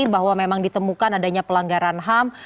bahwa memang ditemukan adanya pelanggaran ham